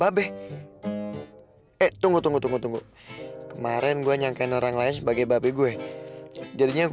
babes tunggu tunggu tunggu tunggu kemarin gua nyangkain orang lain sebagai babes gue jadinya